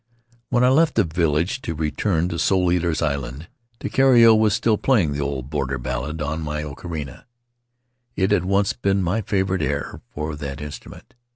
"When I left the village to return to Soul Eaters' Island Takiero was still playing the old border ballad on my ocharina. It had once been my favorite air for that instrument.